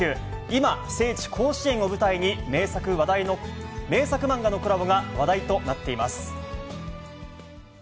今、聖地、甲子園を舞台に、名作漫画のコラボが話題となっています。